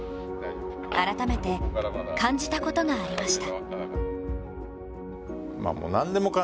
改めて感じたことがありました。